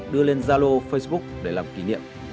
đưa lên zalo facebook để làm kỷ niệm